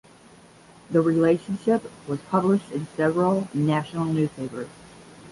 The relationship was published in several national newspapers.